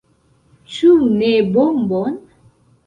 Ĉu ne bombon?